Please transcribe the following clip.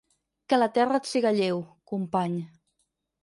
Que la terra et siga lleu, company.